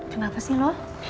kenapa sih lo